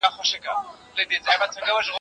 ډېر هوښیار وو ډېري ښې لوبي یې کړلې